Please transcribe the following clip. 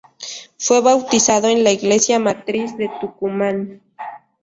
Fue bautizado en la Iglesia Matriz de Tucumán.